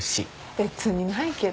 別にないけど。